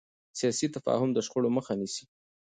سیاسي تفاهم د شخړو مخه نیسي